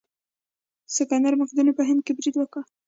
سکندر مقدوني په هند برید وکړ.